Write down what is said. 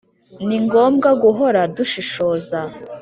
. Ni ngombwa guhora dushishoza